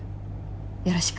よろしく。